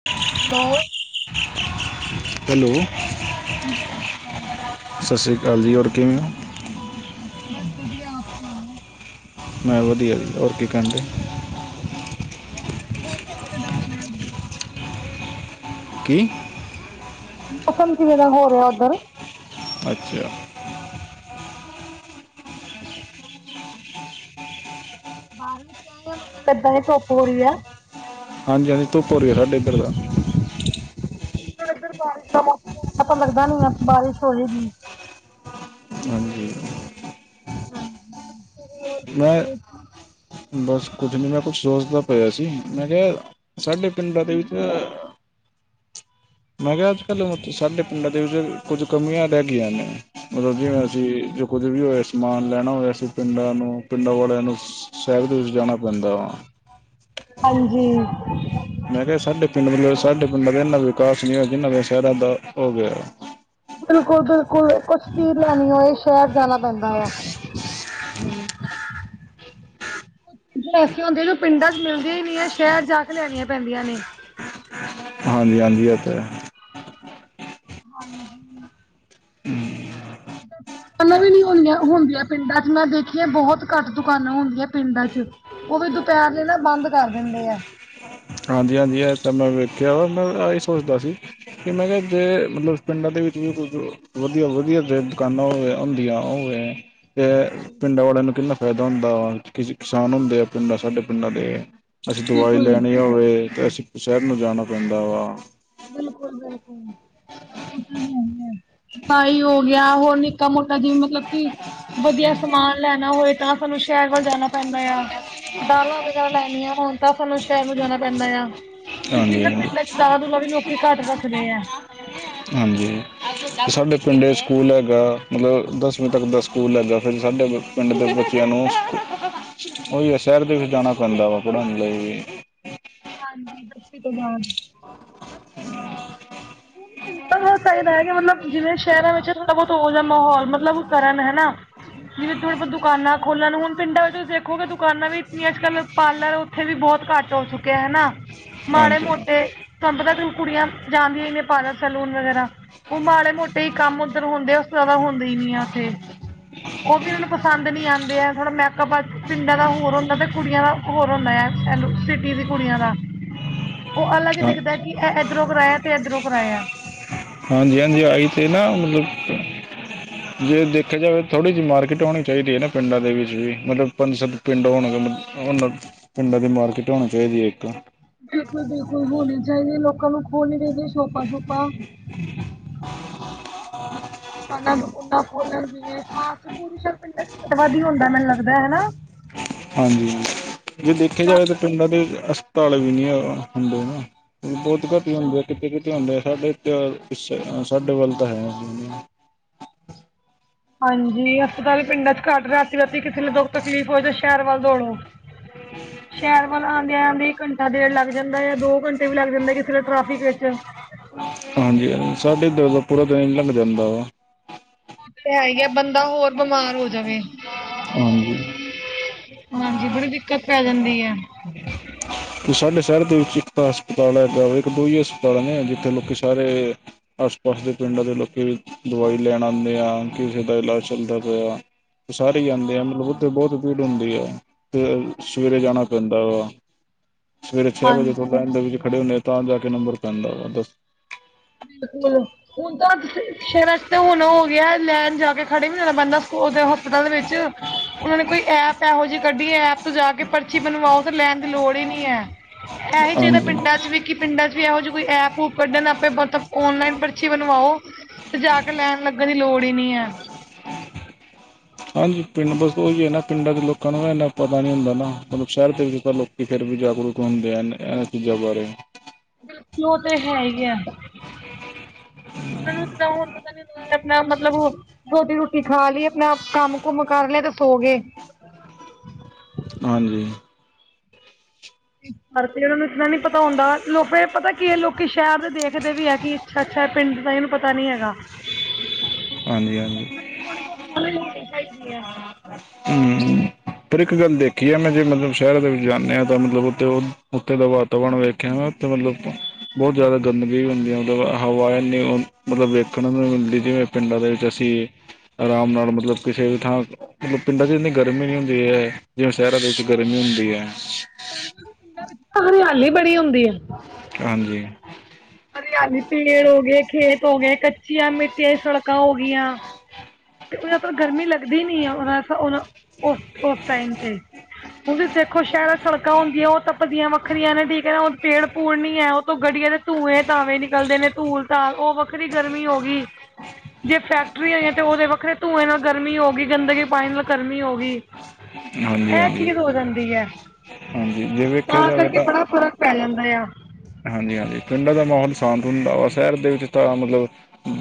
[inaudible] [inaudible] Hello ਹਾਂਜੀ ਸਤਿ ਸ਼੍ਰੀ ਅਕਾਲ ਜੀ ਸਤਿ ਸ਼੍ਰੀ ਅਕਾਲ ਜੀ ਹੋਰ ਕਿਵੇਂ ਹੋ ਬੱਸ ਵਧੀਆ ਆਪ ਸੁਣਾਓ ਮੈਂ ਵਧੀਆ ਜੀ ਹੋਰ ਕੀ ਕਰਨ ਡੇ [inaudible] ਕੀ ਪਸੰਦ ਕਿਵੇਂ ਦਾ ਹੋ ਰਿਹਾ ਉੱਧਰ ਅੱਛਾ ਬਾਰਿਸ਼ ਮੱਤਲਬ ਕਿੱਦਾਂ ਹੀ ਧੁੱਪ ਹੋ ਰਹੀ ਹੈ। ਹਾਂਜੀ ਹਾਂਜੀ ਧੁਪ ਹੋ ਰਹੀ ਹੈ ਸਾਡੇ ਇੱਧਰ ਤਾਂ ਫਿਰ ਇਧਰ ਬਾਰਿਸ਼ ਦਾ ਮੌਸਮ ਤਾਂ ਲੱਗਦਾ ਨਹੀਂ ਆ ਬਾਰਿਸ਼ ਹੋਈ ਨਹੀਂ ਹਾਂਜੀ ਹਾਂ ਮੈਂ ਬਸ ਕੁੱਛ ਨੀ ਮੈਂ ਕੁੱਛ ਸੋਚਦਾ ਪਿਆ ਸੀ ਮੈਂ ਕਿਹਾ ਸਾਡੇ ਪਿੰਡਾਂ ਦੇ ਵਿੱਚ ਮੈਂ ਕਿਹਾ ਅੱਜ ਕੱਲ੍ਹ ਸਾਡੇ ਪਿੰਡਾਂ ਦੇ ਵਿੱਚ ਕੁੱਝ ਕਮੀਆਂ ਰਹਿ ਗਈਆਂ ਨੇ ਮੱਤਲਬ ਜਿਵੇਂ ਅਸੀਂ ਜੋ ਕੁੱਝ ਵੀ ਹੋਇ ਸਮਾਨ ਲੈਣਾ ਹੋਵੇ ਅਸੀਂ ਪਿੰਡਾਂ ਨੂੰ ਪਿੰਡਾਂ ਵਾਲਿਆਂ ਨੂੰ ਸ਼ਹਿਰ ਦੇ ਵਿੱਚ ਜਾਣਾ ਪੈਂਦਾ ਹੈ ਹਾਂਜੀ ਮੈਂ ਕਿਹਾ ਸਾਡੇ ਪਿੰਡ ਵੱਲੋਂ ਸਾਡੇ ਪਿੰਡਾਂ ਦਾ ਇਨਾ ਵਿਕਾਸ ਨਹੀਂ ਹੋਇਆ ਜਿੰਨਾ ਦੇ ਸ਼ਹਿਰਾਂ ਦਾ ਹੋ ਗਿਆ ਬਿਲਕੁੱਲ ਬਿਲਕੁੱਲ ਕੁੱਛ ਵੀ ਲੈਣਾ ਸ਼ਹਿਰ ਜਾਣਾਂ ਪੈਂਦਾ ਆ [inaudible] ਐਸੇ ਹੁੰਦੇ ਜੋ ਪਿੰਡਾਂ ਚ ਮਿਲਦੀ ਹੀ ਨਹੀਂ ਹੈ ਸ਼ਹਿਰ ਜਾ ਕੇ ਲੈਣੀਆਂ ਪੈਂਦੀਆਂ ਨੇ ਹਾਂਜੀ ਹਾਂਜੀ ਇਹ ਤਾਂ ਹਾਂਜੀ [inaudible] ਪਹਿਲਾਂ ਵੀ ਨੀ ਹੁੰਦੀਆਂ ਪਿੰਡਾਂ ਚ ਮੈਂ ਦੇਖੀਆਂ ਬਹੁਤ ਘੱਟ ਦੁਕਾਨਾਂ ਹੁੰਦੀਆਂ ਪਿੰਡਾਂ ਚ ਉਹ ਵੀ ਦੁਪਹਿਰ ਲਈ ਨਾ ਬੰਦ ਕਰ ਦਿੰਦੇ ਆ ਹਾਂਜੀ ਹਾਂਜੀ ਇਹ ਤਾਂ ਮੈਂ ਵੇਖਿਆ ਮੈਂ ਇਹ ਸੋਚਦਾ ਸੀ ਕਿ ਮੈਂ ਕਿਹਾ ਜੇ ਮਤਲਬ ਪਿੰਡਾਂ ਦੇ ਵਿੱਚ ਵੀ ਕੁੱਝ ਵਧੀਆ ਵਧੀਆ ਦੁਕਾਨਾਂ ਹੋਵੇ ਹੁੰਦੀਆਂ ਹੋਵੇ ਤੇ ਪਿੰਡਾਂ ਵਾਲਿਆਂ ਨੂੰ ਕਿੰਨਾ ਫਾਇਦਾ ਹੁੰਦਾ ਵਾ ਕਿਸੇ ਕਿਸਾਨ ਹੁੰਦੇ ਆ ਪਿੰਡਾਂ ਸਾਡੇ ਪਿੰਡਾਂ ਦੇ ਅਸੀਂ ਦਵਾਈ ਬਿਲਕੁਲ ਲੈਣੀ ਹੋਵੇ ਤੇ ਅਸੀਂ ਸ਼ਹਿਰ ਨੂੰ ਜਾਣਾ ਪੈਂਦਾ ਵਾ ਬਿਲਕੁੱਲ ਬਿਲਕੁੱਲ ਉਹ ਤਾਂ ਹੋ ਗਿਆ ਹੋਰ ਨਹੀਂ ਮੋਟਾ ਮੋਟਾ ਜਿਵੇਂ ਮੱਤਲਬ ਕਿ ਵਧੀਆ ਸਮਾਨ ਲੈਣਾ ਹੋਏ ਤਾਂ ਸਾਨੂੰ ਸ਼ਹਿਰ ਵੱਲ ਜਾਣਾ ਪੈਂਦਾ ਹੈ। ਦਾਲਾਂ ਵਗੈਰਾ ਲੈਣੀਆਂ ਹੁਣ ਤਾਂ ਸਾਨੂੰ ਸ਼ਹਿਰ ਜਾਂਣਾ ਪੈਂਦਾ ਹੈ ਕਿਉਂਕਿ ਹਾਂਜੀ ਇਹ ਹਾਂਜੀ ਪਿੰਡਾਂ ਦਾਂਲਾ ਦੂਲਾਂ ਵੀ ਲੋਕੀ ਘੱਟ ਰੱਖਦੇ ਹੇ। ਹਾਂਜੀ ਅਤੇ ਸਾਡੇ ਪਿੰਡੇ ਸਕੂਲ ਹੈਗਾ ਮੱਤਲਬ ਦਸਵੀਂ ਤੱਕ ਦਾ ਸਕੂਲ ਹੈਗਾ ਫਿਰ ਸਾਡੇ ਪਿੰਡ ਦੇ ਬੱਚਿਆਂ ਨੂੰ ਉਹੀ ਆ ਸ਼ਹਿਰ ਦੇ ਵਿੱਚ ਜਾਣਾਂ ਪੈਂਦਾ ਵਾ ਪੜ੍ਹਾਉਣ ਲਈ ਹਾਂਜੀ ਦਸਵੀਂ ਤੋਂ ਬਾਅਦ [unintelligible] ਉਹ ਪਿੰਡਾਂ ਚਾਹੀਦਾ ਹੈ ਜਿਵੇਂ ਸ਼ਹਿਰਾਂ ਵਿੱਚ ਥੋੜਾ ਬਹੁਤ ਹੋ ਜਾਂਦਾ ਮਾਹੌਲ ਮਤਲਬ ਕਰਨ ਹੈਨਾ ਜਿਵੇਂ ਥੋੜੀ ਬਹੁਤ ਦੁਕਾਨਾਂ ਖੋਲਣ ਹੁਣ ਪਿੰਡਾਂ ਵਿੱਚ ਤੁਸੀਂ ਦੇਖੋਗੇ ਦੂ ਦੁਕਾਨਾਂ ਵੀ ਇਤਨੀਆਂ ਅੱਜ ਕੱਲ ਪਾਰਲਰ ਉੱਥੇ ਵੀ ਬਹੁਤ ਘੱਟ ਹੋ ਚੁੱਕਿਆ ਹਨਾ ਮਾੜੇ ਹਾਂਜੀ ਮੋਟੇ ਕੰਮ ਦੇ ਦਿਨ ਕੁੜੀਆਂ ਜਾਣਦੀਆਂ ਹੀ ਨੇ ਪਾਰਲਰ ਸੈਲੂਨ ਵਗੈਰਾ ਉਹ ਮਾੜੇ ਮੋਟੇ ਹੀ ਕੰਮ ਉੱਧਰ ਹੁੰਦੇ ਆ ਉਸ ਜ਼ਿਆਦਾ ਹੁੰਦੇ ਹੀ ਨੀ ਆ ਉੱਥੇ ਉਹ ਵੀ ਇਹਨਾਂ ਨੂੰ ਪਸੰਦ ਨਹੀਂ ਆਉਂਦੇ ਹੈ ਥੋੜਾ ਮੈਕਅਪ ਪਿੰਡਾਂ ਦਾ ਹੋਰ ਹੁੰਦਾ ਤੇ ਕੁੜੀਆਂ ਦਾ ਹੋਰ ਹੁੰਦਾ ਏਲੋ ਸਿਟੀ ਦੀ ਕੁੜੀਆਂ ਦਾ। ਉਹ ਅਲੱਗ ਹਾਂ ਦਿਖਦਾ ਕਿ ਇਹ ਇੱਧਰੋਂ ਕਰਾਇਆ ਤੇ ਇੱਧਰੋਂ ਕਰਾਇਆ। ਹਾਂਜੀ, ਹਾਂਜੀ ਆਈ ਤੇ ਨਾ ਮਤਲਬ ਜੇ ਦੇਖਿਆ ਜਾਵੇ ਥੋੜੀ ਜਿਹੀ ਮਾਰਕੀਟ ਹੋਣੀ ਚਾਹੀਦੀ ਹੈ। ਨਾ ਪਿੰਡਾਂ ਦੇ ਵਿੱਚ ਵੀ ਮਤਲਬ ਪੰਜ ਸਤ ਪਿੰਡ ਹੋਣਗੇ ਉਹਨਾਂ ਪਿੰਡਾਂ ਦੀ ਮਾਰਕੀਟ ਹੋਣੀ ਚਾਹੀਦੀ ਹੈ। ਇੱਕ ਬਿਲਕੁਲ, ਬਿਲਕੁਲ ਹੋਣੀ ਚਾਹੀਦੀ ਹੈ ਲੋਕਾਂ ਨੂੰ ਖੋਲਣੀ ਚਾਹੀਦੀਆਂ ਸ਼ੋਪਾਂ- ਸ਼ੋਪਾਂ ਦੁਕਾਨਾਂ ਦੁਕਾਨਾ [unintelligible] ਵਧ ਹੀ ਹੁੰਦਾ ਮੈਨੂੰ ਲੱਗਦਾ ਹੈਨਾ ਹਾਂਜੀ ਜੇ ਦੇਖਿਆ ਜਾਵੇ ਤਾਂ ਪਿੰਡਾਂ ਦੇ ਹਸਪਤਾਲ ਵੀ ਨਹੀਂ ਹੁੰਦੇ ਨਾ ਬਹੁੱਤ ਘੱਟ ਹੁੰਦੇ ਆ ਕਿੱਤੇ ਕਿਤੇ ਹੁੰਦੇ ਆ ਸਾਡੇ ਸਾਡੇ ਵੱਲ ਤਾਂ ਹੈ ਹਾਂਜੀ ਹਸਪਤਾਲ ਪਿੰਡਾਂ ਚ ਘੱਟ ਰਾਤੀ ਰਾਤੀ ਕਿਸੇ ਲਈ ਦੁੱਖ ਤਕਲੀਫ਼ ਹੋ ਜਾਏ ਤੇ ਸ਼ਹਿਰ ਵੱਲ ਦੌੜੋ ਸ਼ਹਿਰ ਵੱਲ ਆਉਂਦੇ ਆਂਦੇ ਘੰਟਾ ਘੰਟਾ ਡੇਢ ਲੱਗ ਜਾਂਦਾ ਹੈ। ਦੋ ਘੰਟੇ ਵੀ ਲੱਗ ਜਾਂਦਾ ਕਿਸੇ ਟ੍ਰੈਫਿਕ ਵਿੱਚ ਹਾਂਜੀ ਹਾਂਜੀ ਸਾਡੇ ਇਧਰ ਦਾ ਪੂਰਾ ਦਿਨ ਲਗ ਜਾਂਦਾ ਵਾ ਤੇ ਹੈ ਹੀ ਆ ਬੰਦਾ ਹੋਰ ਬਿਮਾਰ ਹੋ ਜਾਵੇ। ਹਾਂਜੀ। ਹਾਂਜੀ ਬੜੀ ਦਿੱਕਤ ਪੈ ਜਾਂਦੀ ਹੈ। ਤੇ ਸਾਡੇ ਸ਼ਹਿਰ ਦੇ ਵਿੱਚ ਇੱਕ ਤਾਂ ਹਸਪਤਾਲ ਹੈ ਇੱਕ, ਦੋ ਹੀ ਹਸਪਤਾਲ ਨੇ ਜਿੱਥੇ ਲੋਕ ਸਾਰੇ ਆਸ -ਪਾਸ ਦੇ ਪਿੰਡਾਂ ਦੇ ਲੋਕ ਵੀ ਦਵਾਈ ਲੈਣ ਆਉਂਦੇ ਆ ਕਿਸੇ ਦਾ ਇਲਾਜ ਚੱਲਦਾ ਪਿਆ। ਸਾਰੇ ਹੀ ਜਾਂਦੇ ਆ ਮਤਲਬ ਉੱਥੇ ਬਹੁਤ ਭੀੜ ਹੁੰਦੀ ਹੈ, ਤੇ ਸਵੇਰੇ ਜਾਣਾ ਪੈਂਦਾ ਵਾ। ਸਵੇਰੇ ਛੇ ਵਜੇ ਤੋਂ ਹਾਂਜੀ। ਲਾਈਣ ਦੇ ਵਿੱਚ ਖੜੇ ਹੁੰਦੇ ਤਾਂ ਜਾ ਕੇ ਨੰਬਰ ਪੈਂਦਾ ਵਾ ਦ ਬਿਲਕੁਲ ਹੁਣ ਤਾਂ ਸ਼ਹਿਰਾ ਚ ਤੇ ਹੁਣ ਹੋ ਗਿਆ ਲੈਣ ਜਾ ਕੇ ਖੜੇ ਵੀ ਹੋਣਾ ਪੈਂਦਾ ਸਕੂਲ ਹੋਸਪਿਟਲ ਦੇ ਵਿੱਚ ਉਹਨਾਂ ਨੇ ਕੋਈ ਐਪ ਇਹੋ ਜਿਹੀ ਕੱਢੀ ਹੈ ਐਪ ਤੋਂ ਜਾ ਕੇ ਪਰਚੀ ਬਣਵਾਓ ਤੇ ਲੈਣ ਦੀ ਲੋੜ ਹੀ ਨੀ ਹੈ, ਇਹ ਹੀ ਚਾਹੀਦਾ ਹਾਂਜੀ ਪਿੰਡਾਂ ਚ ਵੀ ਕਿ ਪਿੰਡਾਂ ਚ ਵੀ ਇਹੋ ਜਿ ਕੋਈ ਐਪ ਓਪ ਕੱਢਣ ਨਾਲ ਮਤਲਬ ਔਨਲਾਈਨ ਪਰਚੀ ਬਣਵਾਓ ਤੇ ਜਾ ਕੇ ਲੈਣ ਲੱਗਣ ਦੀ ਲੋੜ ਹੀ ਨੀ ਹੈ। ਹਾਂਜੀ ਪਿੰਡ ਬਸ ਉਹੀ ਹੈ ਨਾ ਪਿੰਡਾਂ ਦੇ ਲੋਕਾਂ ਨੂੰ ਇੰਨਾ ਪਤਾ ਨੀ ਹੁੰਦਾ ਨਾ ਮਤਲਬ ਸ਼ਹਿਰ ਦੇ ਵਿੱਚ ਤਾਂ ਲੋਕ ਕਿ ਫਿਰ ਵੀ ਜਾਗਰੂਕ ਹੁੰਦੇ ਹਨ ਇਹਨਾਂ ਚੀਜ਼ਾਂ ਬਾਰੇ ਉਹ ਤੇ ਹੈ ਹੀ ਆ ਉਹਨੂੰ ਤੇ ਤਾਂ ਹੁਣ ਪਤਾ ਨ ਆਪਣਾ ਮਤਲਬ ਰੋਟੀ, ਰੋਟੀ ਖਾ ਲਈ ਆਪਣਾ ਕੰਮ ਕੁਮ ਕਰ ਲਿਆ ਤਾਂ ਸੋ ਗਏ। ਹਾਂਜੀ। ਔਰ ਫਿਰ ਉਹਨਾਂ ਨੂੰ ਇਤਨਾ ਨੀ ਪਤਾ ਹੁੰਦਾ ਲੋਕ ਪਤਾ ਕੀ ਇਹ ਲੋਕੀ ਸ਼ਹਿਰ ਦੇ ਦੇਖਦੇ ਵੀ ਹੈ ਕਿ ਅੱਛਾ ਅੱਛਾ ਇਹ ਪਿੰਡ ਦਾ ਇਹਨੂੰ ਪਤਾ ਨੀ ਹੈਗਾ। ਹਾਂਜੀ ਹਾਂਜੀ ਥੋੜੀ ਬਹੁਤ ਨੋਲੇਜ ਹੋਣੀ ਚਾਹੀਦੀ ਹੈ। ਹੂ [unintelligible] ਪਰ ਇੱਕ ਗੱਲ ਦੇਖੀ ਆ ਮੈਂ ਜੇ ਮਤਲਬ ਸ਼ਹਿਰ ਦੇ ਵਿੱਚ ਜਾਂਦੇ ਹਾਂ ਤਾਂ ਮਤਲਬ ਉੱਥ, ਉੱਥੇ ਵੇਖਿਆ [unintelligible] ਬਹੁਤ ਜ਼ਿਆਦਾ ਗੰਦਗੀ ਵੀ ਹੁੰਦੀ ਹੈ। ਮਤਲਬ ਹਵਾ ਇੰਨੀ ਮਤਲਬ ਵੇਖਣ ਨੂੰ ਵੀ ਮਿਲਦੀ ਜਿਵੇਂ ਪਿੰਡਾਂ ਦੇ ਵਿੱਚ ਅਸੀਂ ਆਰਾਮ ਨਾਲ ਮਤਲਬ ਕਿਸੇ ਵੀ ਥਾਂ ਮਤਲਬ ਪਿੰਡਾਂ ਚ ਇੰਨੀ ਗਰਮੀ ਨੀ ਹੁੰਦੀ ਹੈ। ਜਿਵੇਂ ਸ਼ਹਿਰਾਂ ਦੇ ਵਿੱਚ ਗਰਮੀ ਹੁੰਦੀ ਹੈ। ਹਰਿਆਲੀ ਬੜੀ ਹੁੰਦੀ ਹੈ। ਹਾਂਜੀ। ਹਰਿਆਲੀ ਪੇੜ ਹੋ ਗਏ ਖੇਤ ਹੋ ਗਏ ਕੱਚੀਆਂ ਮਿੱਟੀਆਂ ਸੜਕਾਂ ਹੋ ਗਿਆ। ਤੇ ਉਧਰ ਗਰਮੀ ਲੱਗਦੀ ਨੀ ੳਹਨਾ ਉਸ ਟਾਈਮ ਤੇ ਹੁਣ ਦੇਖੋ ਸ਼ਹਿਰਾਂ ਚ ਸੜਕਾਂ ਹੁੰਦੀਆਂ ਉਹ ਤਪਦੀਆਂ ਵੱਖਰੀਆਂ ਨੇ ਠੀਕ ਹੈ ਨਾ ਪੇੜ ਪੂੜ ਨੀ ਹੈ। ਤੋਂ ਗੱਡੀਆਂ ਦੇ ਧੂੰਏ ਧਾਵੇਂ ਨਿਕਲਦੇ ਨੇ ਧੂਲ ਧਾਲ ਉਹ ਵ ਵੱਖਰੀ ਗਰਮੀ ਹੋ ਗਈ ਜੇ ਫੈਕਟਰੀਆਂ ਆਈਆਂ ਤੇ ਉਹਦੇ ਵਕਤ ਫੇਰ ਧੂੰਏ ਨਾਲ ਗਰਮੀ ਹੋ ਗਈ ਗੰਦਗੀ ਪਾਣੀ ਨਾਲ ਗਰਮੀ ਹੋ ਗਈ ਹਾਂਜੀ ਇਹ ਹਾਂਜੀ ਚੀਜ਼ ਹੋ ਜਾਂਦੀ ਹੈ ਹਾਂਜੀ ਜੇ ਵੇਖਿਆ ਤਾਂ ਜਾਵੇ ਕਰਕੇ ਬੜਾ ਫ਼ਰਕ ਪੈ ਜਾਂਦਾ ਆ। ਹਾਂਜੀ ਹਾਂਜੀ ਪਿੰਡਾਂ ਦਾ ਮਾਹੌਲ ਸ਼ਾਂਤ ਹੁੰਦਾ ਵਾ ਸ਼ਹਿਰ ਦੇ ਵਿੱਚ ਤਾਂ ਮਤਲਬ।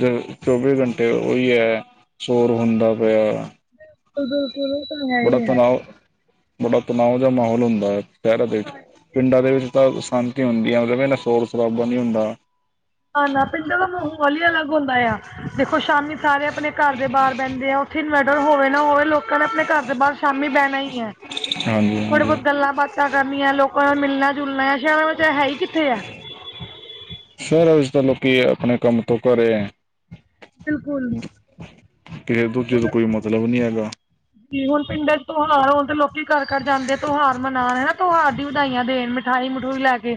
ਜ ਚੌਵੀ ਘੰਟੇ ਉਹੀ ਹੈ ਸੋਰ ਹੁੰਦਾ ਪਿਆ। ਉਹ ਉਹ ਤਾਂ [unintelligible] ਬੜਾ ਤਨਾਅ ਬੜਾ ਤਨਾਓ ਦਾ ਮਾਹੌਲ ਹੁੰਦਾ ਹੈ ਸ਼ਹਿਰਾ ਦੇ ਪਿੰਡਾਂ ਦੇ ਵਿੱਚ ਤਾਂ ਸ਼ਾਂਤੀ ਹੁੰਦੀ ਆ ਮਤਲਬ ਇਹੰਨਾ ਸ਼ੋੌਰ ਸ਼ਰਾਬਾ ਨਹੀਂ ਹੁੰਦਾ। ਨਾ ਪਿੰਡਾਂ ਦਾ ਮਾਹੌਲ ਹੀ ਅਲੱਗ ਹੁੰਦਾ ਆ। ਦੇਖੋ ਸ਼ਾਮੀ ਸਾਰੇ ਆਪਣੇ ਘਰ ਦੇ ਬਾਹਰ ਬਹਿੰਦੇ ਆ ਉੱਥੇ ਇਨਵਰਟਰ ਹੋਵੇ ਨਾ ਹੋਵੇ ਲੋਕਾਂ ਨੇ ਆਪਣੇ ਘਰ ਦੇ ਬਾਹਰ। ਸ਼ਾਮੀ ਬਹਿਣਾ ਹੀ ਹੈ। ਹਾਂਜੀ ਥੋੜੇ ਹਾਂਜੀ ਬਹੁਤ ਗੱਲਾਂ ਬਾਤਾਂ ਕਰਨੀਆਂ ਲੋਕਾਂ ਨਾਲ ਮਿਲਣਾ ਜੁਲਣਾ ਆ ਸ਼ਹਿਰਾਂ ਵਿੱਚ ਹੈ ਹੀ ਕਿੱਥੇ ਆ। ਸ਼ਹਿਰਾਂ ਵਿੱਚ ਤਾਂ ਲੋਕੀ ਆਪਣੇ ਕੰਮ ਤੋਂ ਘਰੇ। ਬਿਲਕੁਲ। ਕਿਸੇ ਦੂਜੇ ਤੋਂ ਕੋਈ ਮਤਲਬ ਨੀ ਹੈਗਾ। ਜਿੰਵੇ ਹੁਣ ਪਿੰਡਾਂ ਚ ਤਿਉਹਾਰ ਹੋਣ ਤੇ ਲੋਕੀ ਘਰ ਘਰ ਜਾਂਦੇ ਤਿਉਹਾਰ ਮਨਾਉਣ ਹਨਾ ਤਿਉਹਾਰ ਦੀ। ਵਧਾਈਆਂ ਦੇਣ ਮਿਠਾਈ ਮਠੂਈ ਲੈ ਕੇ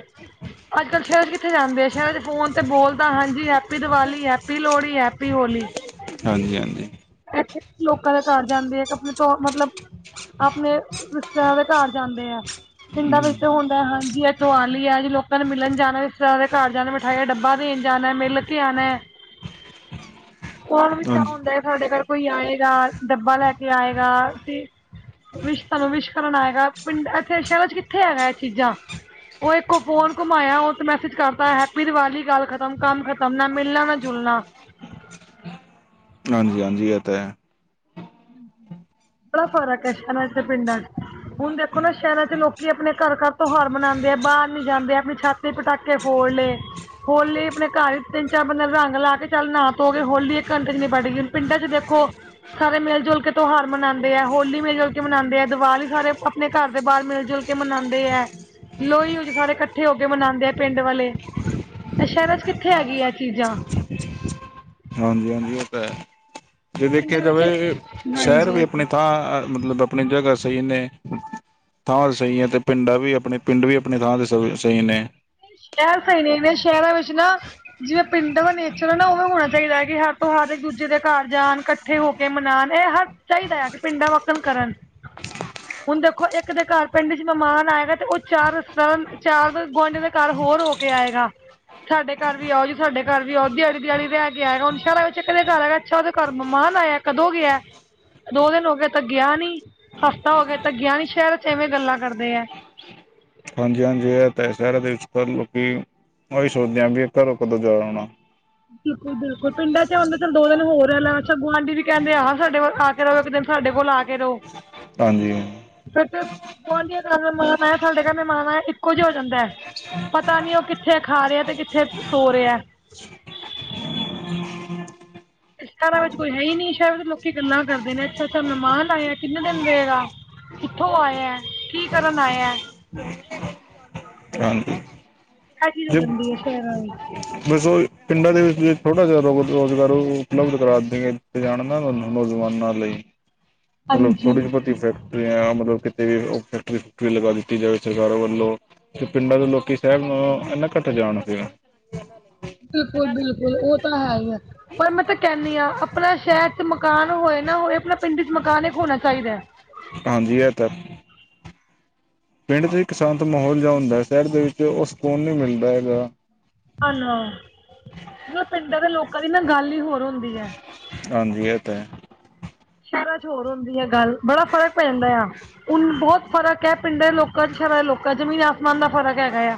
ਅੱਜ ਕੱਲ੍ਹ ਸ਼ਹਿਰ ਚ ਕਿੱਥੇ ਜਾਂਦੇ ਆ ਸ਼ਹਿਰਾਂ ਚ ਫੋਨ ਤੇ ਬੋਲ। ਹਾਂਜੀ happy Diwali happy Lohri happy Holi. ਹਾਂਜੀ ਹਾਂਜੀ ਇੱਥੇ ਲੋਕਾਂ ਦੇ ਘਰ ਜਾਂਦੇ ਆ। ਆਪਣੇ ਤੋਂ ਮਤਲਬ ਆਪਣੇ ਰਿਸ਼ਤਦਾਰਾਂ ਦੇ ਘਰ ਜਾਂਦੇ ਆ ਪਿੰਡਾਂ ਵਿੱਚ ਹੁਣ। ਹਾਂਜੀ ਇਹਥੋਂ ਆ ਦੀਵਾਲੀ ਹੈ ਜੀ ਲੋਕਾਂ ਨੂੰ ਮਿਲਣ ਜਾਣਾ ਰਿਸ਼ਤੇਦਾਰਾਂ ਦੇ ਘਰ ਜਾਣਾ ਮਿਠਾਈ ਦਾ ਡੱਬਾ ਦੇਣ ਜਾਣਾ ਮਿਲ ਕੇ ਆਣਾ ਏ ਹ [unintelligible] ਲੋਕਾਂ ਨੂੰ ਵੀ ਚਾ ਹੁੰਦਾ ਸਾਡੇ ਘਰ ਕੋਈ ਆਏਗਾ ਡੱਬਾ ਲੈ ਕੇ ਆਏਗਾ ਵਿਸ਼ ਤੁਹਾਨੂੰ ਵਿਸ਼ ਕਰਨ ਆਏਗਾ ਪਿੰਡ ਇੱਥੇ ਸ਼ਹਿਰਾਂ ਚ ਕਿੱਥੇ ਹੈਗਾ ਇਹ ਚੀਜ਼ਾਂ। ਉਹ ਇੱਕੋ ਫੋਨ ਘੁੰਮਾਇਆ ਉਹਤੇ ਮੈਸੇਜ ਕਰਤਾ ਹੈਪੀ ਦੀਵਾਲੀ ਗੱਲ ਖਤਮ ਕੰਮ ਖਤਮ ਨਾ ਮਿਲਣਾ ਨਾ ਜੁਲਣਾ। ਹਾਂਜੀ ਹਾਂਜੀ ਇਹ ਤਾਂ ਹੈ। ਬੜਾ ਫਰਕ ਹੈ ਸ਼ੈਹਰਾਂ ਚ ਤੇ ਪਿੰਡ ਚ। ਹੁਣ ਦੇਖੋ ਨਾ ਸ਼ਹਿਰਾਂ ਚ ਲੋਕੀ ਆਪਣੇ ਘਰ ਘਰ ਤਿਉਹਾਰ ਮਨਾਉਂਦੇ ਆ ਬਾਹਰ ਨੀ ਜਾਂਦੇ ਆਪਣੀ ਛਾਤ ਪਟਾਕੇ ਫੋੜ ਲਏ। ਹੋਲੀ ਆਪਣੇ ਘਰ ਵਿੱਚ ਤਿੰਨ ਚਾਰ ਬੰਦਿਆਂ ਰੰਗ ਲਾ ਕੇ ਚੱਲ ਨ੍ਹਾ ਧੋ ਗਏ ਹੋਲੀ ਇੱਕ ਘੰਟ ਚ ਨਿੱਬੜ ਗਈ ਹੁਣ ਪਿੰਡਾਂ ਚ ਦੇਖੋ। ਸਾਰੇ ਮਿਲ ਜੁਲ ਕੇ ਤਿਉਹਾਰ ਮਨਾਉਂਦੇ ਹੈ ਹੋਲੀ ਮਿਲ ਜੁਲ ਕੇ ਮਨਾਉਂਦੇ ਹੈ ਦੀਵਾਲੀ ਸਾਰੇ ਆਪਣੇ ਘਰ ਦੇ ਬਾਹਰ ਮਿਲ ਜੁਲ ਕੇ। ਕੇ ਮਨਾਉਂਦੇ ਹੈ ਲੋਹੜੀ ਸਾਰੇ ਇਕੱਠੇ ਹੋ ਕੇ ਮਨਾਉਂਦੇ ਹੈ ਪਿੰਡ ਵਾਲੇ। ਐ ਸ਼ਹਿਰਾਂ ਚ, ਕਿੱਥੇ ਹੈਗੀ ਆ, ਚੀਜ਼ਾਂ। ਹਾਂਜੀ- ਹਾਂਜੀ, ਉਹ ਤਾਂ ਹੈ। ਜੇ ਦੇਖਿਆ ਜਾਵੇ, ਸ਼ਹਿਰ ਵੀ ਆਪਣੇ। ਤਾਂ ਮਤਲਬ ਆਪਣੀ ਜਗਾ ਸਹੀ ਨੇ। ਥਾਂ ਤੇ ਸਹੀ ਹੈ ਅਤੇ ਪਿੰਡਾਂ ਵੀ ਆਪਣੇ ਪਿੰਡ ਵੀ ਆਪਣੀ ਥਾਂ ਤੇ ਸ ਸਹੀ ਨੇ। ਸ਼ਹਿਰ ਸਹੀ ਨੇ ਇਹਨਾਂ ਸ਼ਹਿਰਾਂ ਵਿੱਚ ਨਾ। ਜਿਵੇਂ ਪਿੰਡਾਂ ਦਾ ਨੇਚਰ ਹੈ ਨਾ ਉਹਵੇ ਹੋਣਾ ਚਾਹੀਦਾ ਹੈ ਕਿ ਹਰ ਤਿਉਹਾਰ ਇੱਕ ਦੂਜੇ ਦੇ ਘਰ ਜਾਣ। ਇਕੱਠੇ ਹੋ ਕੇ ਮਨਾਉਣ ਇਹ ਹਰ ਚਾਹੀਦਾ ਆ ਕਿ ਪਿੰਡਾਂ ਵਕਣ ਕਰਨ। ਹ [unintelligible] ਹੁਣ ਦੇਖੋ ਇੱਕ ਦੇ ਘਰ ਪਿੰਡ ਚ ਮਹਿਮਾਨ ਆਏਗਾ ਤੇ ਉਹ ਚਾਰ ਸਰ ਚਾਰ ਗੁਆਂਢੀਆਂ ਦੇ। ਘਰ ਹੋਰ ਹੋ ਕੇ ਆਏਗਾ। ਸਾਡੇ ਘਰ ਵੀ ਆਓ ਜੀ, ਸਾਡੇ ਘਰ ਵੀ ਆਓ। ਦਿਹਾੜੀ- ਦਿਹਾੜੀ ਰਹਿ ਕੇ ਆਏ, ਹੁਣ ਸ਼ਹਿਰਾਂ ਵਿੱਚ ਕਦੇ ਘਰ ਹੈਗਾ। ਅੱਛਾ, ਉਹਦੇ ਘਰ ਮੇਹਮਾਨ ਆਇਆ। ਕਦੋਂ, ਗਿਆ? ਦੋ ਦਿਨ, ਹੋ ਗਏ ਤਾਂ ਗਿਆ ਨੀ। ਹਫ਼ਤਾ, ਹੋ ਗਿਆ ਤਾਂ ਗਿਆ ਨੀ। ਸ਼ਹਿਰ ਚ ਇਵੇਂ ਗੱਲਾਂ ਕਰਦੇ ਹੈ। ਹਾਂਜੀ- ਹਾਂਜੀ, ਇਹ ਤਾਂ ਹੈ। ਸ਼ਹਿਰ ਦੇ ਵਿੱਚ ਲੋਕੀ, ਉਹੀ ਸੋਚਦੇ ਆ, ਵੀ ਘਰੋਂ ਕਦੋਂ ਜਾ ਆਉਣਾ। ਬਿਲਕੁਲ- ਬਿਲਕੁਲ, ਪਿੰਡਾਂ ਚ ਹੋਦਾਂ, ਚਲ ਦੋ ਦਿਨ ਹੋਰ ਰੈਲਾ। ਅਛਾ, ਗੁਆਂਢੀ ਵੀ ਕਹਿੰਦੇ, ਆ ਸਾਡੇ ਵਲ ਆ। ਚਲੋ ਇੱਕ ਦਿਨ, ਸਾਡੇ ਕੋਲ, ਆ ਕੇ ਰਹੋ। ਹਾਂਜੀ। ਫ ਗੁਆਂਢੀਆਂ ਘਰ ਮਹਿਮਾਣ ਆਆ। ਸਾਡੇ ਘਰ ਮਹਿਮਾਣ ਆਆ, ਇੱਕੋ ਜਿ ਹੋ ਜਾਂਦਾ ਹੈ। ਪਤਾ ਨੀ, ਉਹ ਕਿੱਥੇ ਖਾ ਰਿਹਾ, ਤੇ ਕਿੱਥੇ ਸੋ ਰਿਹਾ। [unintelligible] ਸ਼ਹਿਰਾਂ ਵਿੱਚ, ਕੋਈ ਹੈ, ਹੀ ਨੀ। ਸ਼ਾਇਰ ਲੋਕੀ ਗੱਲਾਂ ਕਰਦੇ ਨੇ, ਅੱਛਾ, - ਅੱਛਾ ਮਹਿਮਾਨ ਆਇਆ, ਕਿੰਨੇ ਦਿਨ ਰਹੇਗਾ? ਕਿੱਥੋਂ ਆਇਆ? ਕੀ ਕਰਨ ਆਇਆ? [unintelligible] ਇਹ ਚੀਜ਼ ਹੋ ਜ ਜਾਂਦੀ ਹੈ ਸ਼ਹਿਰਾਂ ਵਿੱਚ ਬੱਸੋਂ [unintelligible] ੳ ਹੀ ਪਿੰਡਾਂ ਦੇ ਵਿੱਚ, ਥੋੜਾ ਜਿਹਾ ਰ ਰੋਜ਼ਗਾਰ, ਉਪਲਬਧ ਕਰਾ, ਦੇਥੇ। ਮੈਂ ਜਾਣਦਾ ਨਾ ਨੌਜਵਾਨਾਂ ਲਈ। ਮਤਲਬ ਹਾਂਜੀ ਤੁੋੜੀ- ਬੋਤੀ ਫੇ- ਕਮਰਿਆਂ, ਮਤਲਬ ਕਿਤੇ ਵੀ, ਫੈਕਟਰੀ- ਫੁਕਟਰੀ ਲਗਾ, ਦਿੱਤੀ ਜਾਵੇ ਸਰਕਾਰਾਂ ਵੱਲੋਂ। ਤੇ ਪਿੰਡਾਂ ਦੇ ਲੋਕੀ, ਸਾਹਿਬ ਨੂੰ, ਇਨਾਂ ਘੱਟ ਜਾਣ ਦੇਆਂ। ਬਿਲਕੁਲ- ਬਿਲਕੁਲ, ਉਹ ਤਾਂ, ਹੈ ਹੀ ਆ। ਪਰ ਮੈਂ, ਤਾਂ ਕਹਿੰਦੀ ਹਾਂ, ਆਪਣਾ ਸ਼ਹਿਰ ਚ, ਮਕਾਨ ਹੋਏ ਨਾ ਹੋਏ। ਆਪਣਾ ਪਿੰਡ ਚ, ਮਕਾਨ ਇੱਕ, ਹੋਣਾ ਚਾਹੀਦਾ ਐ। ਹਾਂਜੀ, ਇਹ ਤਾਂ। ਪਿੰਡ ਚ, ਇੱਕ ਸ਼ਾਂਤ ਮਾਹੌਲ, ਜਿਹਾ ਹੁੰਦਾ ਹੈ। ਸ਼ਹਿਰ ਦੇ ਵਿੱਚ, ਉਹ ਸਕੂਨ ਨਹੀਂ, ਮਿਲਦਾ ਹੈਗਾ। ਹੈਲੋ। ਮਤਲਬ, ਪਿੰਡਾਂ ਦੇ ਲੋਕਾਂ ਦੀ, ਨਾ ਗੱਲ ਹੀ ਹੋਰ ਹੁੰਦੀ ਹੈ। ਹਾਂਜੀ। ਇਹ ਤੇ, ਹੈ। ਸ਼ਹਿਰਾਂ ਚ, ਹੋਰ ਹੁੰਦੀ ਆ ਗੱਲ, ਬੜਾ ਫ਼ਰਕ ਪੈਂ ਜਾਂਦਾ ਆ। ਹੂਨ ਬਹੁਤ ਫ਼ਰਕ ਹੈ। ਪਿੰਡਾਂ ਦੇ ਲੋਕਾਂ, ਸ਼ਰਾਂ ਦੇ ਲੋਕਾਂ ਚ। ਜ਼ਮੀਨ, ਆਸਮਾਨ ਦਾ ਫਰਕ ਹੈਗਾ, ਆ।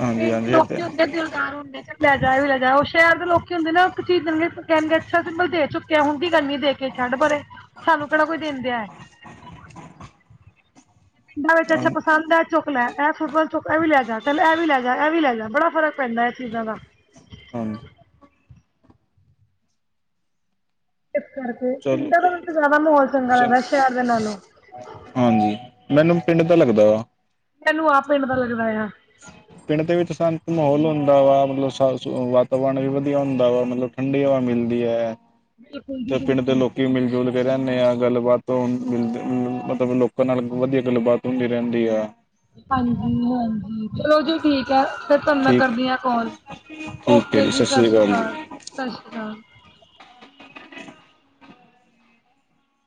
ਹਾਂਜੀ ਪਿੰਡ ਦੇ, ਹਾਂਜੀ ਇਹ ਲੋਕੀ ਤਾਂ ਹੈ ਹੁੰਦੇ ਦਿਲਦਾਰ ਹੁੰਦੇ। ਲੈ ਜਾ, ਇ ਵੀ ਲੈ ਜਾ, ਉਹ ਸ਼ਹਿਰ ਦੇ ਲੋਕੀ ਹੁੰਦੇ। ਨਾ, ਚੀ ਜ਼ ਦੇਣਗੇ ਨ ਕਹਿਣਗੇ ਅੱਛਾ, ਸਿੰਲ ਦੇ ਚੁ ਕਿ ਹੁਣ ਕੀ ਕਰਨੀ ਦੇ ਕੇ। ਛੱਡ ਪਰੇ, ਸਾਨੂੰ ਕਿਹੜਾ ਕੋਈ ਦੇਣ ਦਿਆ ਹੈ। [unintelligible] ਪਿੰਡਾਂ ਵਿੱਚ, ਹਾਂ ਅੱਛਾ, ਪਸੰਦ ਹੈ। ਚੁ ਇਹ ਲੇ ਚੁੱਕ, ਇਹ ਵੀ ਲੈ ਜਾ, ਚੱਲ ਇਹ ਵੀ ਲੈ ਜਾ, ਇਹ ਵੀ ਲੈ ਜਾ, ਬੜਾ ਫਰਕ ਪੈਂਦਾ, ਇਹ ਚੀਜ਼ਾਂ ਦਾ। ਹਾਂ। ਇਸ ਕਰਕੇ। ਚਲੋ ਪਿੰਡਾਂ ਦੇ ਵਿੱਚ, ਜ਼ਿਆਦਾ ਮਾਹੌਲ ਚੰਗਾ ਚ ਲੱਗਦਾ, ਸ਼ਹਿਰ ਦੇ ਨਾਲੋਂ। ਹਾਂਜੀ। ਮੈਨੂੰ ਪਿੰਡ ਦਾ, ਲੱਗਦਾ ਔ। ਇਹੈਨੂੰ ਆਪੇ, ਪਤਾ ਲੱਗਦਾ ਆ। ਪਿੰਡ ਦੇ ਵਿੱਚ ਸ਼ਾਂਤ ਮਾਹੌਲ ਹੁੰਦਾ ਵਾ। ਮਤਲਬ ਵਾਤਾਵਰਨ ਵੀ, ਵਧੀਆ ਹੁੰਦਾ ਵਾ, ਮਤਲਬ। ਠੰਡੀ ਹਵਾ, ਮਿਲਦੀ ਹੈ। ਤੇ ਪਿੰਡ ਦੇ ਲੋਕੀ, ਮਿਲ ਜੁਲ ਰਹਿੰਦੇ ਆ, ਗੱਲਬਾਤ ਮਿਲ ਮਤਲਬ ਲੋਕਾਂ ਨਾਲ ਵਧੀਆ ਗੱਲਬਾਤ ਹੁੰਦੀ ਰਹਿੰਦੀ ਐ। ਹਾਂਜੀ ਹਾਂਜੀ ਚਲੋ ਜੀ ਠੀਕ ਹੈ, ਫਿਰ ਤੁਹਾਨੂੰ ਮੈਂ ਠੀਕ ਹੈ ਕਰਦੀ ਹਾਂ ਕਾਲ, ਠੀਕ ਹੈ ਓਕੇ ਜੀ ਸਤਿ ਸ਼੍ਰੀ ਸ੍ਰੀ ਜੀ ਅਕਾਲ। ਸਤਿ ਸ੍ਰੀ ਅਕਾਲ ਜੀ।